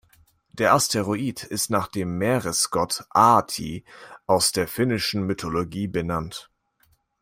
Der Asteroid ist nach dem Meeresgott Ahti aus der finnischen Mythologie benannt.